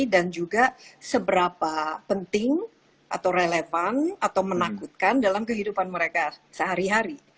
dan juga seberapa penting atau relevan atau menakutkan dalam kehidupan mereka sehari hari